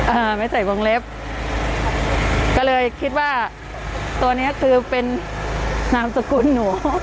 อ่าไม่ใส่วงเล็บก็เลยคิดว่าตัวเนี้ยคือเป็นนามสกุลหนู